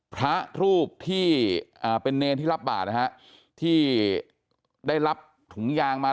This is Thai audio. พระรูปที่เป็นเนรที่รับบาทนะฮะที่ได้รับถุงยางมา